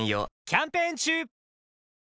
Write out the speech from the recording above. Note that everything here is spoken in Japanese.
キャンペーン中！